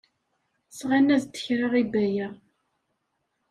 Sɣan-as-d kra i Baya.